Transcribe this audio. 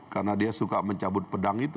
karena dia suka mencabut pedang itu